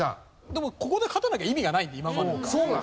でもここで勝たなきゃ意味がないんで今までのが。